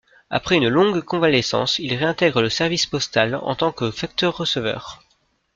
Après une longue convalescence il réintègre le service postal en tant que facteur-receveur.